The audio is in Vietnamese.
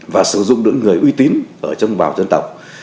và sử dụng những người uy tín ở trong bào dân tộc